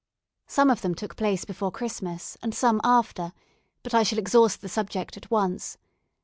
Some of them took place before Christmas, and some after; but I shall exhaust the subject at once.